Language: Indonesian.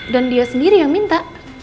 dan dia sendiri yang minta